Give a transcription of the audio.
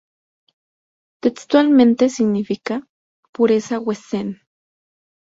Textualmente significa "Pureza Wesen".